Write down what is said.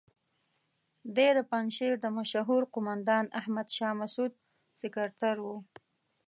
دی د پنجشیر د مشهور قوماندان احمد شاه مسعود سکرتر وو.